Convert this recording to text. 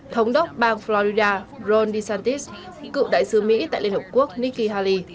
thống đốc bang florida ron desantis cựu đại sứ mỹ tại liên hợp quốc nikki haley